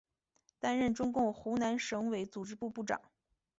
担任中共湖南省委组织部部长。